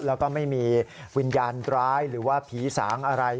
แล้วก็ไม่มีวิญญาณร้ายหรือว่าผีสางอะไร